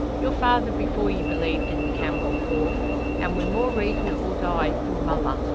Your father before ye believed in the Canwyll Corph, and wi' more reason ought I, your mother.